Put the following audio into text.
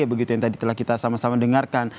begitu yang tadi telah kita sama sama dengarkan